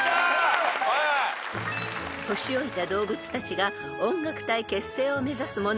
［年老いた動物たちが音楽隊結成を目指す物語］